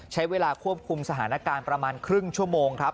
ใช้เวลาควบคุมสถานการณ์ประมาณครึ่งชั่วโมงครับ